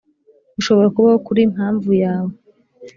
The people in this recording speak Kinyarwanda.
ushobora kubaho kuri mpamvu yawe;